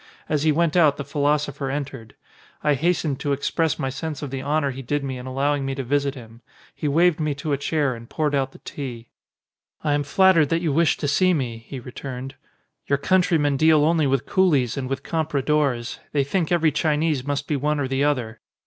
As he went out the philosopher entered. I hastened to express my sense of the honour he did me in allowing me to visit him. He waved me to a chair and poured out the tea. 149 ON A CHINESE S C B, E E N "I am flattered that you wished to see me," he returned. "Your countrymen deal only with coolies and with compradores ; they think every Chinese must be one or the other."